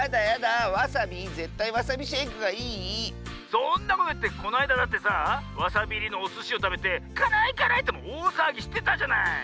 そんなこといってこないだだってさあわさびいりのおすしをたべて「からいからい！」っておおさわぎしてたじゃない。